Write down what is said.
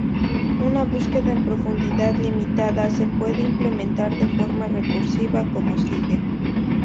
Una búsqueda en profundidad limitada se puede implementar de forma recursiva como sigue.